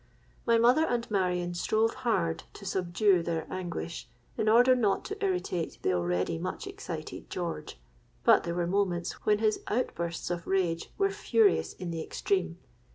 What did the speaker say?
My mother and Marion strove hard to subdue their anguish, in order not to irritate the already much excited George; but there were moments when his outbursts of rage were furious in the extreme.